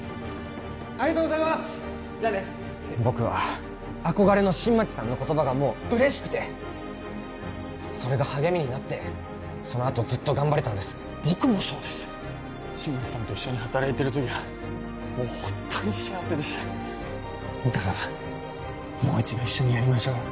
僕は憧れの新町さんの言葉がもう嬉しくてそれが励みになってそのあとずっと頑張れたんです僕もそうです新町さんと一緒に働いてる時はもう本当に幸せでしただからもう一度一緒にやりましょうよ